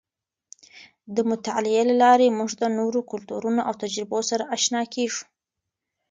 د مطالعې له لارې موږ د نورو کلتورونو او تجربو سره اشنا کېږو.